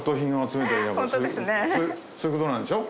そういうことなんでしょ？